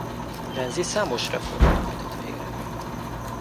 Renzi számos reformot hajtott végre.